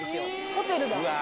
ホテルだ。